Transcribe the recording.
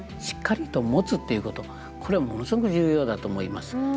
しっかりと持つということこれはものすごく重要だと思います。